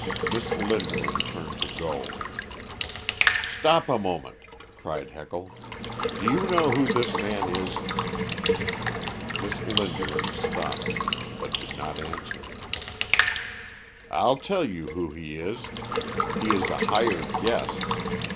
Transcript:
Miss Linderham turned to go. "Stop a moment," cried Heckle; "do you know who this man is?" Miss Linderham stopped, but did not answer. "I'll tell you who he is: he is a hired guest.